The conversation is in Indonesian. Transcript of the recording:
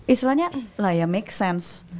istilahnya lah ya make sense